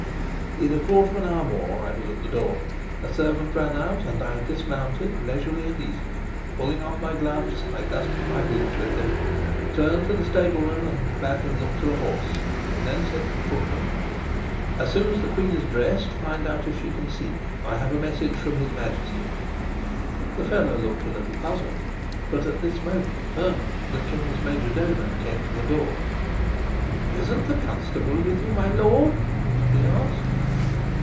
In a quarter of an hour more I was at the door. A servant ran out, and I dismounted leisurely and easily. Pulling off my gloves, I dusted my boots with them, turned to the stableman and bade him look to the horse, and then said to the footman: "As soon as the queen is dressed, find out if she can see me. I have a message from his Majesty." The fellow looked a little puzzled, but at this moment Hermann, the king's major domo, came to the door. "Isn't the constable with you, my lord?" he asked.